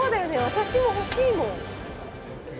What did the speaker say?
私も欲しいもん。